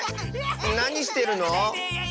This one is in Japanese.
なにしてるの？